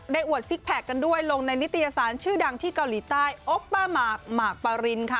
อวดซิกแพคกันด้วยลงในนิตยสารชื่อดังที่เกาหลีใต้โอปป้าหมากปารินค่ะ